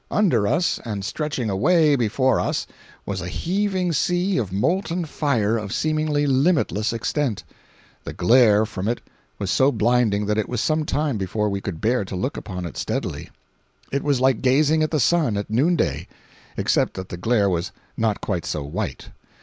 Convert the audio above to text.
Under us, and stretching away before us, was a heaving sea of molten fire of seemingly limitless extent. The glare from it was so blinding that it was some time before we could bear to look upon it steadily. It was like gazing at the sun at noon day, except that the glare was not quite so white.